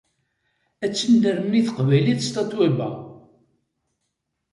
Ad tennerni teqbaylit s Tatoeba.